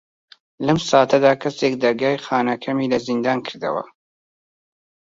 لەم ساتەدا کەسێک دەرگای خانەکەمی لە زیندان کردەوە.